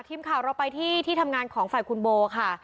ทีมข่าวเราไปที่ที่ทำงานของฝ่ายคุณโบค่ะ